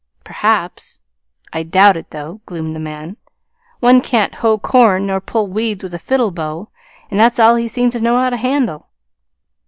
"Perhaps. I doubt it, though," gloomed the man. "One can't hoe corn nor pull weeds with a fiddle bow and that's all he seems to know how to handle."